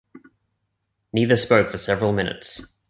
Neither spoke for several minutes.